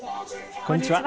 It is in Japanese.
こんにちは。